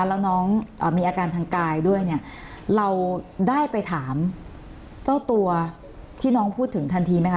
แล้วน้องมีอาการทางกายด้วยเนี่ยเราได้ไปถามเจ้าตัวที่น้องพูดถึงทันทีไหมค